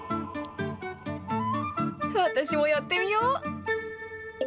私もやってみよう。